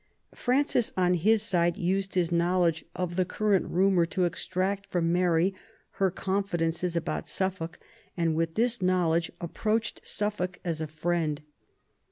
Francis, on his side, used his knowledge of the current Ill THE UNIVERSAL PEACE 87 rumour to extract from Mary her confidences about Suffolk, and with this knowledge approached Suffolk as a friend.